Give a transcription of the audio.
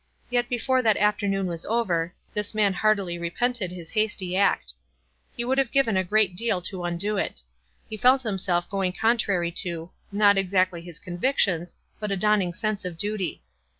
Yet be fore that afternoon was over, this man heartily repented his hasty act. He woifW have given a great deal to undo it. He felt himself going contrary to — not exactly his convictions, but a dawning sense of duty.